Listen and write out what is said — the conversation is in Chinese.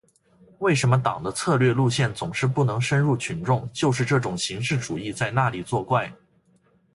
为什么党的策略路线总是不能深入群众，就是这种形式主义在那里作怪。